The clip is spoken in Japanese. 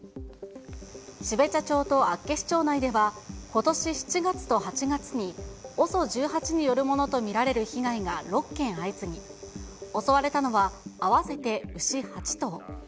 標茶町と厚岸町内では、ことし７月と８月に、ＯＳＯ１８と見られる被害が６件相次ぎ、襲われたのは、合わせて牛８頭。